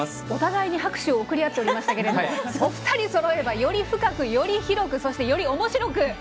お互いに拍手を送り合っておりましたけれどもお二人そろえばより深く、より広くそして、よりおもしろく。